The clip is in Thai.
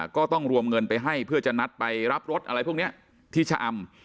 ก็ต้องรวมเงินไปให้เพื่อจะนัดไปรับรถอะไรพวกนี้ที่ชะอำ